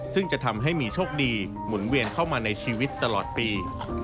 ซึ่งจะทำให้มีโชคดีหมุนเวียนเข้ามาในชีวิตตลอดปี